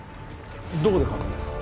どこで書くんですか？